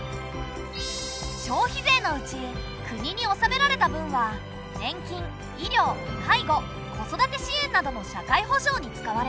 消費税のうち国に納められた分は年金医療介護子育て支援などの社会保障に使われる。